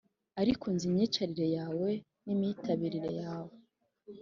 Ariko nzi imyicarire yawe n imitabarire yawe